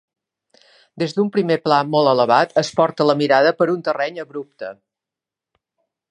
Des d'un primer pla molt elevat es porta la mirada per un terreny abrupte.